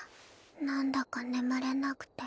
なんだか眠れなくて。